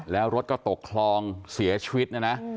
แล้วรถก็ตกคลองเสียชีวิตนะนะ